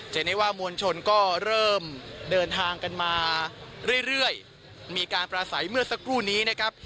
เห็นได้ว่ามวลชนก็เริ่มเดินทางกันมาเรื่อยมีการประสัยเมื่อสักครู่นี้นะครับ